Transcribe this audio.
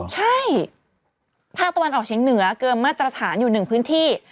ใช่ภาคตะวันออกเชียงเหนือเกินมาตรฐานอยู่หนึ่งพื้นที่